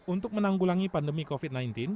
untuk menanggulangi pandemi covid sembilan belas